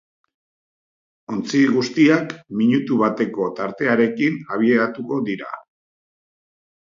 Ontzi guztiak minutu bateko tartearekin abiatuko dira.